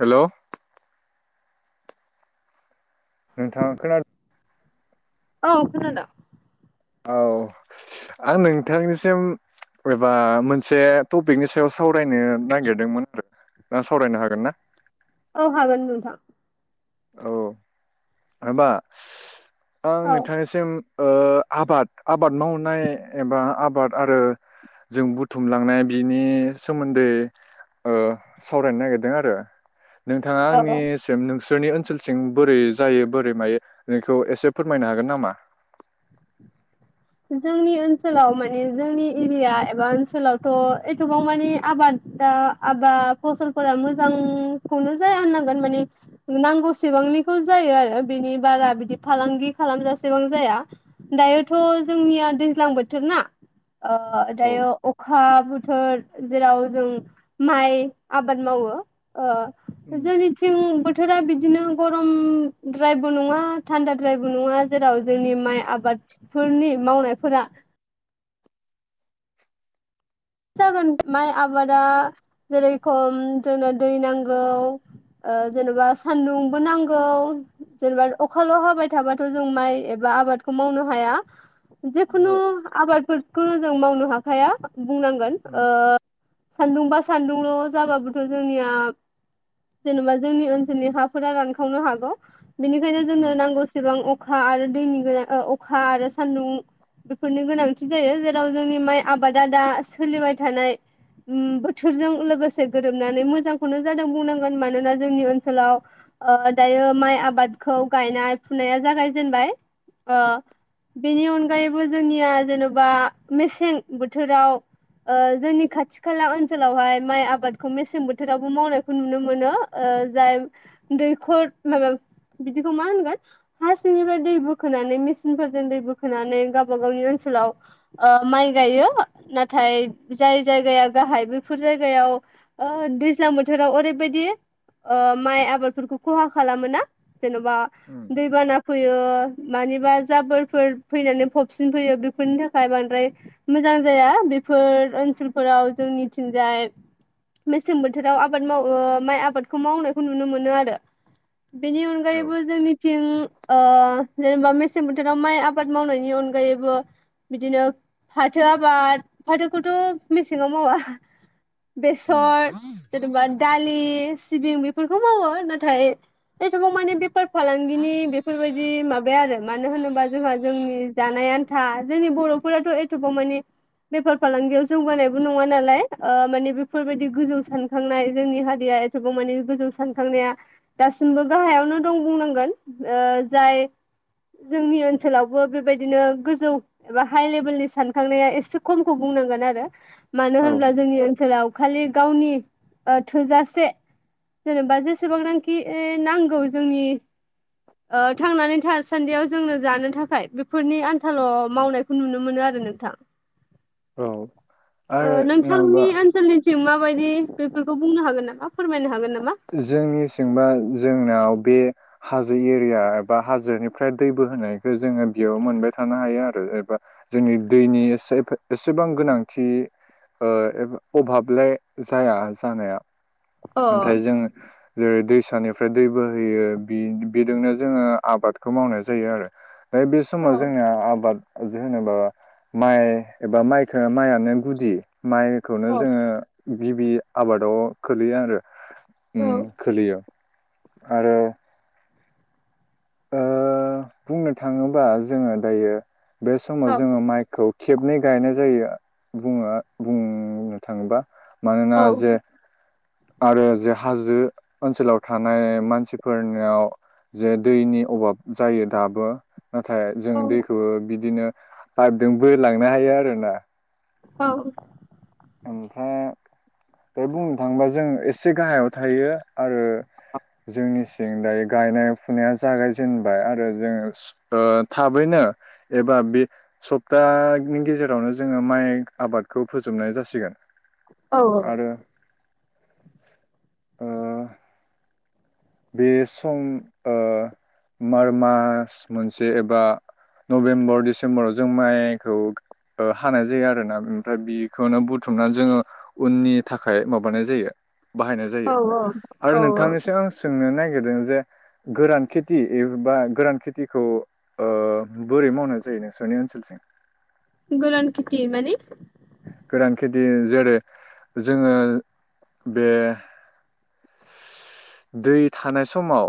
Hello. नोंथाङा खोनाद औ खोनादों। औ आं नोंथांनिसिम एबा मोनसे टपिकनि सायाव सावरायनो नागिरदोंमोन आरो ना सावरायनो हागोन ना? औ हागोन नोंथां। औ। माबा आं औ। नोंथांनिसिम ओह आबाद आबाद मावनाय एबा आबाद आरो जों बुथुमलांनाय बिनि सोमोन्दै ओह सावरायनो नागिरदों आरो। नोंथाङा औ औ। आंनिसिम नोंस सोरनि ओनसोलसिं बोरै जायो बोरै मायो बेखौ एसे फोरमायनो हागोन नामा? जोंनि ओनसोलाव माने जोंनि एरिया एबा ओनसोलावथ' एथबां मानि आबादा आबाद फसलफोरा मोजांखौनो जाया होननांगोन माने नांगौसेबांनिखौ जायो आरो बेनि बारा बिदि फालांगि खालामजासेबां जाया। दायोथ' जोंनिया दैज्लां बोथोर ना ओ औ दायो अख हा बोथोर जेराव जों माइ आबाद मावो ओ उम जोंनिथिं बोथोरा बिदिनो गरमद्रायबो नङा थान्दा द्रायबो नङा जेराव जोंनि माइ आबादफोरनि मावनायफोरा जागोन माइ आबादा जेरेखम जोंनो दै नांगौ ओ जेनेबा सान्दुंबो नांगौ जेनेबा अखाल' हाबाय थाबाथ' जों माइ एबा आबादखौ मावनो हाया जेखुनु ओहो आबादफोर खौनो जों मावनो हाखाया बुंनांगोन उम ओ सान्दुं बा सान्दुंल' जाबाबोथ' जोंनिया जेनेबा जोंनि ओनसोलनि हाफोरा रानखावनो हागौ बिनिखायनो जोंनो उम नांगौ एसेबां अखा आर दैनि गोनां ओ अखा आरो सान्दुं बेफोरनि गोनांथि जायो जेराव जोंनि माइ आबादा दा सोलिबाय थानाय उम बोथोरजों लोगोसे गोरोबनानै मोजांखौनो जादों बुंनांगोन मानोना जोंनि ओनसोलाव ओ दायो माइ आबादखौ गायनाय फुनाया जागायजेनबाय ओ बेनि अनगायैबो जोंनिया जेन'बा मेसें बोथोराव ओ जोंनि खाथि खाला ओनसोलावहाय माइ आबादखौ मेसें बोथोरावबो मावनायखौ नुनो मोनो ओ जाय दैखर माबा बिदिखौ मा होनगोन हा सिंनिफ्राय दै बोखोनानै मेसिनफोरजों दै बोखोनानै गाबा गावनि ओनसोलाव ओ माइ गायो ना थाय जाय जायगाया गाहाय बेफोर जायगायाव ओ दैज्लां बोथोराव ओरैबायदि ओ माइ आबादफोरखौ खहा खालामो ना जेन'बा उम दैबाना फैयो मानिबा जाबोरफोर फैनानै फबसिन फैयो बेफोरनि थाखाय बांद्राय मोजां जाया बे फोर ओनसोलफोराव जोंनिथिंजाय मेसें बोथोराव आबाद माव ओ माइ आबादखौ मावनायखौ नुनो मोनो आरो बेनि औ अनगायैबो जोंनिथिं ओ जेनेबा मेसें बोथोराव माइ आबाद मावनायनि अनगायैबो बिदिनो फाथो आबाद फाथोखौथ' मेसेङाव मावा उम बेसर जेन'बा दालि सिबिं बे फोरखौ मावो नाथाय एथ'बां माने बेब फार फालांगिनि बेफोरबायदि माबाया आरो मानो होनोबा जोंहा जोंनि जानाय आन था जोंनि बर'फोराथ' एथ'बां मानि बेफार फालांगियाव जौगानायबो नङा नालाय ओ मानि बेफोरबायदि गोजौ सानखांनाय जोंनि हारिया एथ'बां मानि गोजौ सानखांनाया दासिमबो गाहायावनो दं बुंनांगोन ओ जाय जोंनि ओनसोलावबो बेबायदिनो गोजौ एबा हाइ लेभेलनि सानखांनाया एसे खमखौ बुंनांगोन आरो मानो औ होनब्ला जोंनि ओनसोलाव खालि गावनि ओ थोजासे जेनेबा जेसेबांनांखि नांगौ जोंनि ओ थांनानै थासान्दियाव जोंनो जानो थाखाय बेफोरनि आन्थाल' मावनायखौ नुनो मोनो आरो नोंथां। औ आरो माबा थिं माबादि बेफोरखौ बुंनो हागोन नामा फोरमायनो हागोन ना जोंनिसिंबा जोंनाव बे हाजो एरिया एबा हाजोनिफ्राय दै बोहोनायखौ जोङो बेयाव मोनबाय थानो हायो आरो एबा जोंनि दैनि एसेफे-एसेबां गोनांथि ओ एबा अभाबलाय जाया जानाया। अ थाय जोङो जेरै दैसानिफ्राय दै बोहैयो बि-बेदोंनो जोङो आबादखौ मावनाय जायो आरो। ओ बे औ समाव जोंना आबाद जेहोनोबा माइ एबा माइखो माइयानो गुदि माइखौनो औ जोङो गिबि आबादाव खोलैयो आरो। [inaudible] औ उम खोलियो। आरो ओ बुंनो थाङोबा जोङो दायो बे समाव औ जोङो माइखौ खेबनै गायनाय जायो बुङो बुंनो थाङोबा। मानोना औ जे आरो जे हाजो ओनसोलाव थानाय मानसिफोरनियाव जे दैनि अभाब जायो दाबो। नाथाय जों औ दैखौबो बिदिनो आददों बोलांनो हायो आरोना। औ ओमफ्राय दा बुंनो थाङोबा जों एसे गाहायाव थायो आरो जोंनि सिं दायो गायनाय फुनाया जागायजेनबाय आरो जों ओ थाबैनो एबा बे सप्तानि गेजेरावनो जोङो माइ आबादखौ फोजोबनाय जासि गोन औ औ ओ बे सम ओ मार मास मोनसे एबा नभेम्बर डिसेम्बराव जों माइखौ हानाय जायो आरो ना ओमफ्राय बेखौनो बुथुमनानै जोङो उननि थाखाय माबानाय जायो बाहायनाय जायो औ औ आरो औ नोंथांनिसिम आं सो नो नागिरदों जे गोरान खेथि एबा गोरान खेथिखौ ओ बोरै मावनाय जायो नोंसोरनि ओनसोलथिं? गोरान खिथि माने गोरान खेथि जेरै जोङो बे दै थानाय समाव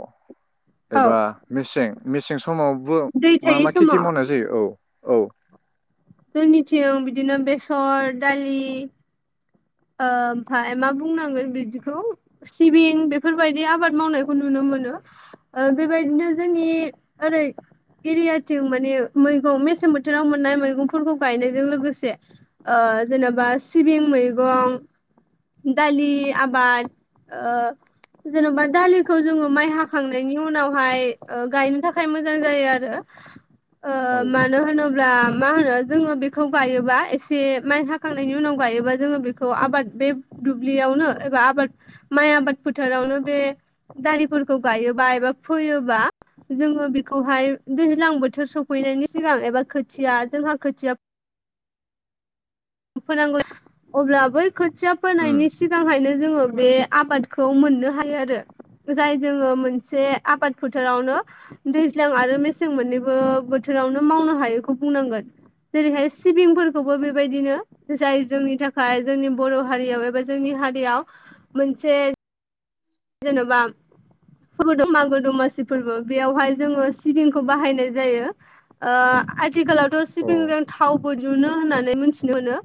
औ एबा मेसें मेसें समावबो दै मा थायै मा खेथि समाव मावनाय जायो औ औ जोंनिथिं बिदिनो बेसर दालि ओमफ्राय मा बुंनांगोन बिदिखौ सिबिं बेफोरबायदि आबाद मावनायखौ नुनो मोनो। बेबायदिनो जोंनि ओरै एरियाथिं माने मैगं मेसें बोथोराव मोननाय मैगंफोरखौ गायनायजों लोगोसे जेनेबा सिबिं मैगं गं दालि आबाद ओ जेन'बा दालिखौ जोङो माइ हाखांनायनि उनावहाय गायनो थाखाय मोजां जायो आरो आ औ मानो होनो ब्ला मा होनो जोङो बेखौ गायोबा एसे माइ हाखांनायनि उनाव गायोबा जोङो बे खौ आबाद बे दुब्लियावनो एबा आबाद माइ आबाद फोथारावनो बे दारिफोरखौ गायोबा एबा फोयोबा जोङो बेखौहाय दैज्लां बोथोर सफैनायनि सिगां एबा खोथिया जोंहा खोथिया फोनांगौ अब्ला बै खोथिया फोनायनि उम सिगांहायनो जोङो बे आबादखौ मोननो हायो आरो जाय जोङो मोनसे आबाद फोथारावनो दैज्लां आरो मेसें मोननैबो बोथोरावनो मावनो हायैखौ बुंनांगोन जेरैहाय सिबिंफोरखौबो बेबायदिनो। जाय जोंनि थाखाय जोंनि बर' हारियाव एबा जोंनि हारियाव मोनसे जेन'बा [inaudible] मागो दमासि फोरबो बेयावहाय जोङो सिबिंखौ बाहायनाय जायो। ओ आ थिखालावथ' औ सिबिंजों थावबो जुनो होननानै मिथिनो मोनो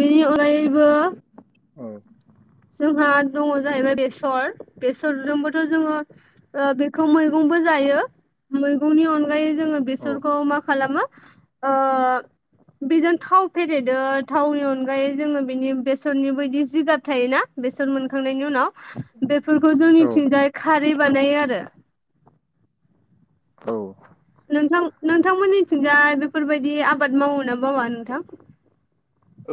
बेनि अनगायैबो औ जोंहा दङ जाहैबाय बेसर बेसरजोंबोथ' जोङो ओ बेखौ मैगंबो जायो मैगंनि अनगायै जोङो औ बेसरखौ मा खालामो ओ बेजों थाव फेरेदो थावनि अनगायै जोङो बिनि बेसरनि बायदि जिगाब थायोना बेसर मोनखांनायनि उनाव बेफोरखौ औ जोंनिथिंजाय खारै बानायो आरो औ नोंथां नोंथांमोननिथिंजाय बेफोरबायदि आबाद मावो ना मावा नोंथां?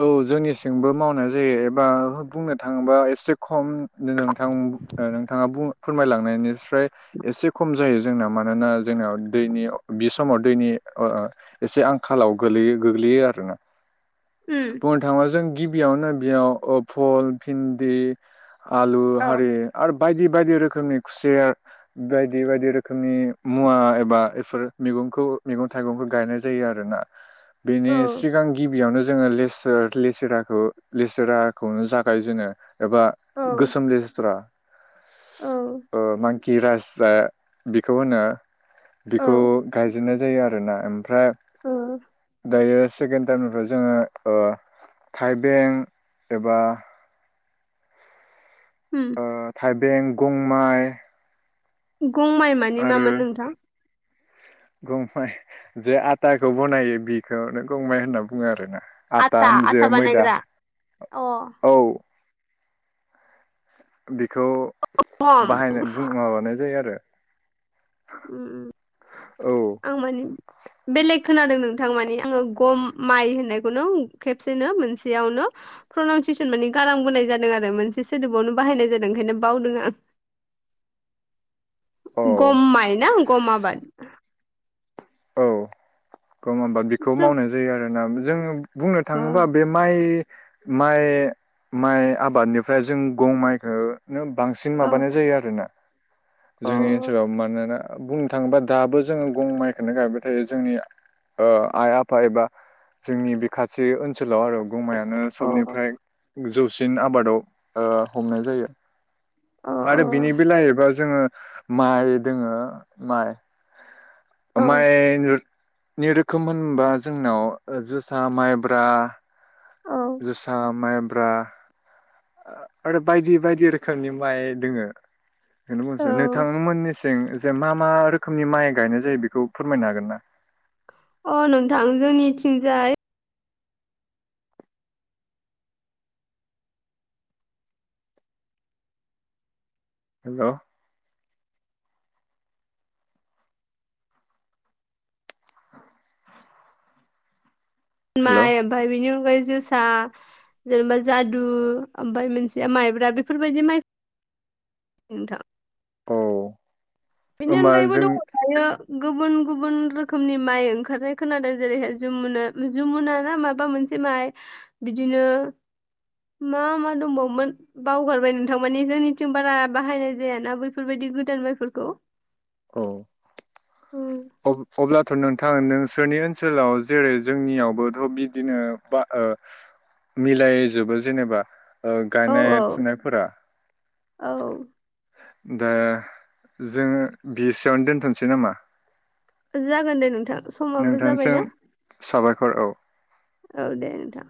औ जोंनिसिंबो मावनाय जायो एबा बुंनो थाङोबा एसे खम नो-नोंथां ओ नोंथाङा बु फोरमायलांनायनिफ्राय एसे खम जायो जोंना मानोना जोंनाव दैनि बि समाव दैनि ओ एसे आंखालाव गोलैयो गोग्लैयो आरोना उम बुंनो थाङोबा जों गिबियावनो बेयाव ओ फल भिन्दि आलु औ हारि आरो बायदि बायदि रोखोमनि खुसेर बायदि बायदि रोखोमनि मुवा एबा बेफोर मैगंखौ मैगं थाइगंखौ गायनाय जायो आरोना बेनि औ सिगां गिब बेयावनो जोङो लेस लेसराखौ लेसराखौनो जागायजे एबा औ गोसोम लेस्थ्रा औ ओ मा किरासा बेखौ होनो औ बेखौ गायजेननाय जायो आरो ना ओमफ्राय औ दायो सेकेणड टाइमनिफ्राय जोङो ओ थाइबें एबा ओम ओ थाइबें गं माइ गं माइ मानि मामोन नोंथां गंमाइ जे आटाखौ बनायो बिखौनो गंमाइ होनना बुङो आरोना आथा आटा जे आटा मैदा बानायग्रा अ औ [unintelligible] थ गम बाहायनाय बुं माबानाय जायो आरो उ। [unintelligible] औ खोनादों नोंथां मानिे आङो गम माइ होननायखौनो खेबसेनो मोनसेयावनो प्रनाउनसेसन माने गारांबोनाय जादों आरो मोनसे सोदोबावनो बाहायनाय जादों ओंखायनो बावदों आं। औ गम माय ना गम आबाद। औ। ग हबा बिखौ जों मावनाय जायो आरो ना [unintelligible] जोङो [unintelligible] बुंनो अ थाङोबा बे माइ। माइ माइ आबादनिफ्राय जों गं माइखौ। बांसिन औ माबानाय जायो आरो ना। जोंनि ओनसोलाव मानोना। बुंनो थाङोबा दाबो जोङो गं माइ। बेनो गाहैबाय थायो जोंनि आइ आफा एबा जोंनि बे खाथि ओनसोलाव आरो। गमायानो अ सबनिफ्राय जौ। बांसिन आबादाव ओ हमनाय जायो। अ आरो बिनि बिलाइ एबा। जोङो माइ दोङो माइ अ ओमफ्राय [unintelligible] नै रोखोम होनबा जोंनाव जोसा माइब्रा औ जोसा माइब्रा आरो बायदि बायदि रोखोमनि माइ दोङो। बेनो बुंसै नोंथांमोननिस नों जेनबा मा रोखोमनि माइ गायनाय जायो बेखौ फोरमायनो हागोन ना। अ नोंथां जोंनिथिंजाय। हेल' हेल' माय आमफ्राइ बिनि अनगायै। जोसा जेनेबा जादु ओमफ्राय मोनसेया माइब्रा बेफोरबायदि माइ [inaudible] नोंथां। औ। बेनि होमबा अनगायैबो जों दङ दायो गुबुन गुबुन रोखोमनि माइ ओंखारनाय खोनादों जेरैहाय जुमुना जुमुना ना माबा मोनसे माइ बिदिनो मा मा दंबावोमोन बावगारबाय नोंथां मानि जोंनिथिं बारा बाहायनाय जायाना बैफोरबायदि गोदान माइफोरखौ। औ उम। [inaudible] अब्ला थ' नोंथां नोंसोरनि ओनसोलाव जेरै जोंनियावबोथ' बिदिनो बा मिलायजोबो जेनेबा [unintelligible] ओ औ गायनाय औ फुनायफोरा औ। दा जोङो बिसेयावनो दोनथ'सै नामा? जागोन दे नोंथां। समाबो नोंथांनि जाबायना सायाव साबायखर औ औ दे नोंथां